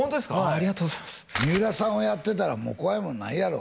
ありがとうございます三浦さんをやってたらもう怖いもんないやろ？